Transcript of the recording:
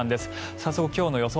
早速今日の予想